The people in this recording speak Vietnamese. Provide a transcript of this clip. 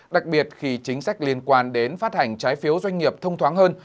đặc biệt khi chính sách liên quan đến phát hành trái phiếu doanh nghiệp thông thoáng hơn